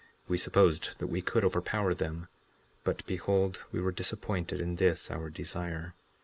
We supposed that we could overpower them; but behold, we were disappointed in this our desire.